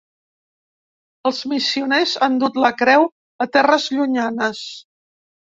Els missioners han dut la creu a terres llunyanes.